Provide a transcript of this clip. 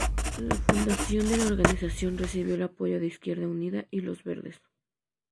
La fundación de la organización recibió el apoyo de Izquierda Unida y Los Verdes.